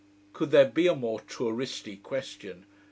Could there be a more touristy question!